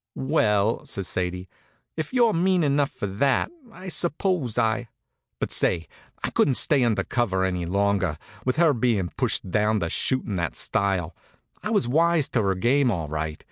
"Well," says Sadie, "if you're mean enough for that, I suppose I " But, say, I couldn't stay under cover any longer, with her bein' pushed down the chute in that style. I was wise to her game all right.